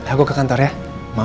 aku ke kantor ya